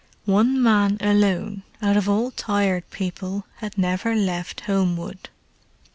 One man alone, out of all Tired People, had never left Homewood.